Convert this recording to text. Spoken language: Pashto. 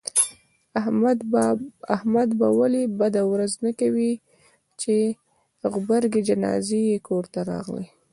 احمد به ولې بده ورځ نه کوي، چې غبرگې جنازې یې کورته راغلې.